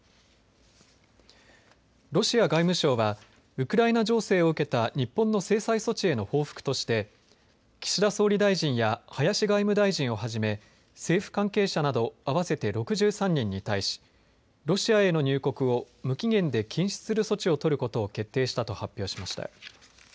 ロシア外務省はウクライナ情勢を受けた日本の制裁措置への報復として岸田総理大臣や林外務大臣をはじめ政府関係者など合わせて６３人に対しロシアへの入国を無期限で禁止する措置をとることを決定したと発表しました。